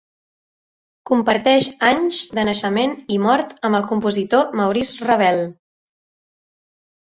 Comparteix anys de naixement i mort amb el compositor Maurice Ravel.